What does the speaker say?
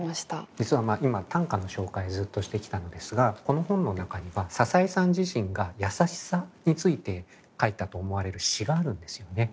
実は今短歌の紹介をずっとしてきたのですがこの本の中には笹井さん自身がやさしさについて書いたと思われる詩があるんですよね。